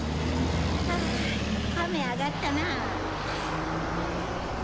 ああ雨上がったな。